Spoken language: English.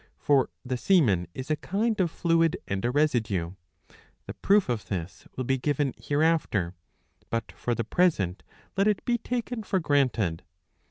For the semen is a kind of fluid and a residue. The proof of this will be given hefeifter, but for the present let it be taken for granted.